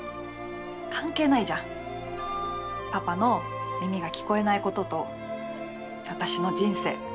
関係ないじゃんパパの耳が聞こえないことと私の人生。